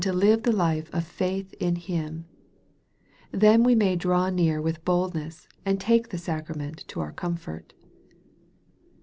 309 live tLe life of faith in Him. Then we may draw near with boldness, and take the sacrament to our comfort.